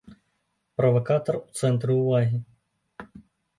Правакатар у цэнтры ўвагі.